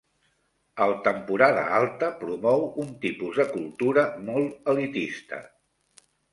El Temporada Alta promou un tipus de cultura molt elitista.